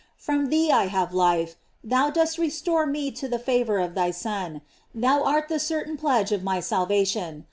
From thee I have life, thou dost restore me to the fa vor of thy Son; thou art the certain pledge of iny salvation.